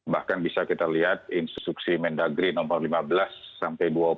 bahkan bisa kita lihat instruksi mendagri nomor lima belas sampai dua puluh